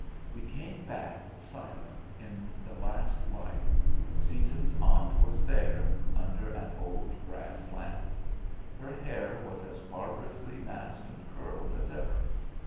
We came back, silent, in the last light. Seaton's aunt was there under an old brass lamp. Her hair was as barbarously massed and curled as ever.